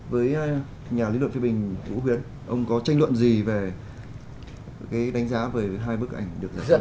với nhà lý luận phê bình vũ huyến ông có tranh luận gì về cái đánh giá về hai bức ảnh được giải dẫn